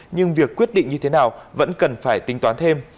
nhưng việc quyết định như thế nào vẫn cần phải tính toán thêm